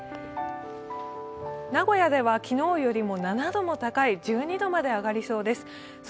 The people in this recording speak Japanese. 名古屋では昨日よりも７度も高い１２度まで上がりそうです。